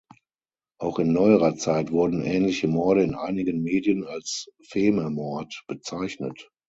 Auch in neuerer Zeit wurden ähnliche Morde in einigen Medien als Fememord bezeichnet.